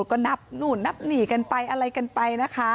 ก็นับหนีกันไปอะไรกันไปนะ